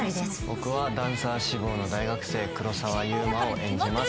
僕はダンサー志望の大学生黒澤祐馬を演じます